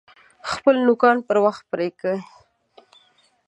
خپل نوکان پر وخت پرې کئ!